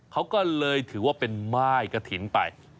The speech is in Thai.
เขาก็เลยถือว่าเป็นม่ายกระถิ่นไป